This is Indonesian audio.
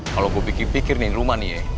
kalo gua bikin pikir nih rumah nih ya